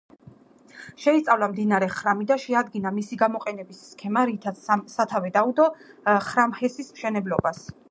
შეისწავლა მდინარე ხრამი და შეადგინა მისი გამოყენების სქემა, რითაც სათავე დაუდო ხრამჰესის მშენებლობას.